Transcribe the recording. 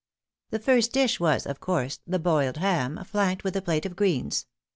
"The first dish, was, of course, the boiled ham, flanked with the plate of greens.